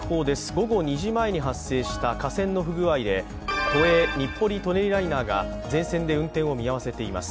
午後２時前に発生した架線の不具合で都営日暮里舎人ライナーが全線で運転を見合わせています。